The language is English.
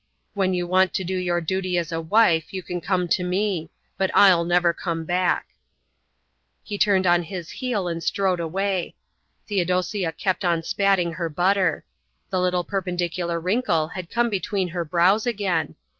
When you want to do your duty as a wife you can come to me. But I'll never come back." He turned on his heel and strode away. Theodosia kept on spatting her butter. The little perpendicular wrinkle had come between her brows again.